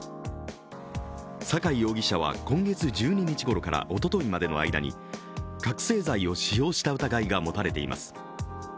坂井容疑者は今月１２日ごろからおとといまでの間に覚醒剤を使用した疑いが持たれています。